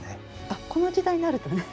あっこの時代になるとね。